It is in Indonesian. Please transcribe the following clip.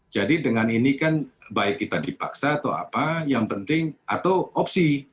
jadi dengan ini kan baik kita dipaksa atau apa yang penting atau opsi